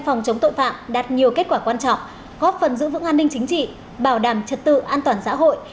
phòng chống tội phạm đạt nhiều kết quả quan trọng góp phần giữ vững an ninh chính trị bảo đảm trật tự an toàn xã hội